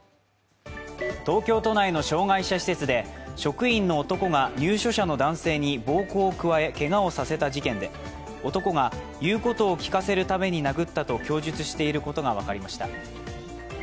東京都内の障害者施設で職員の男が入所者の男性に暴行を加え、けがをさせた事件で男が言うことを聞かせるために殴ったと供述していることが分かりました。